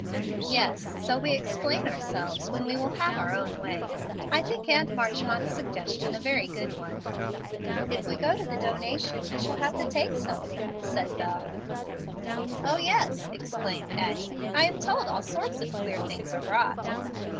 "Yes, so we explain ourselves when we will have our own way. I think Aunt Marchmont's suggestion a very good one." "If we go to the donation we shall have to take something," said Bel. "O, yes," exclaimed Addie; "I am told all sorts of queer things are brought.